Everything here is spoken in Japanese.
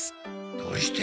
どうして？